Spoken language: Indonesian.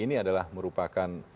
ini adalah merupakan